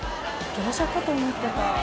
業者かと思ってた。